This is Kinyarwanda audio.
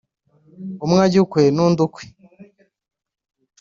umwe ajya ukwe nundi ukwe